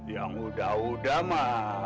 ya mudah mudahan mah